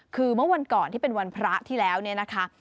คือเมื่อวันก่อนที่เป็นวันพระที่แล้วเนี่ยนะคะ